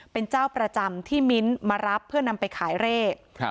เป็นเจ้าประจำที่มิ้นท์มารับเพื่อนำไปขายเลข